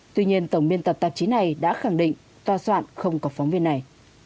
tuy nhiên tổng biên tập tạp chí này đã khẳng định tòa soạn không có phóng viên này